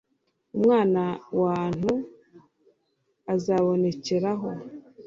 Umwana wu ntu azabonekeraho.